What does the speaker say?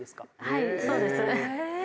はいそうです。